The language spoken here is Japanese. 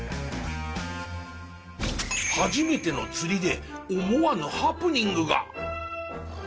初めての釣りで思わぬハプニングが。